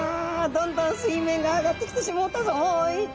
どんどん水面が上がってきてしもうたぞい。